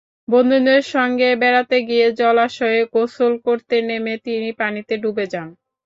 বন্ধুদের সঙ্গে বেড়াতে গিয়ে জলাশয়ে গোসল করতে নেমে তিনি পানিতে ডুবে যান।